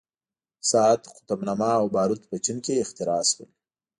ساعت، قطب نما او باروت په چین کې اختراع شول.